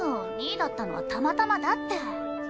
２位だったのはたまたまだって。